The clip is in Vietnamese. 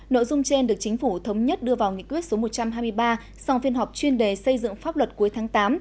nội dung trên được chính phủ thống nhất đưa vào nghị quyết số một trăm hai mươi ba sau phiên họp chuyên đề xây dựng pháp luật cuối tháng tám